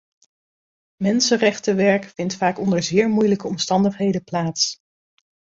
Mensenrechtenwerk vindt vaak onder zeer moeilijke omstandigheden plaats.